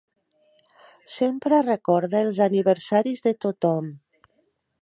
Sempre recorda els aniversaris de tothom.